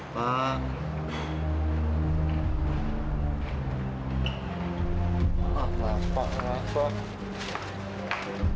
pak pak pak